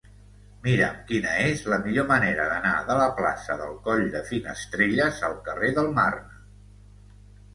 Mira'm quina és la millor manera d'anar de la plaça del Coll de Finestrelles al carrer del Marne.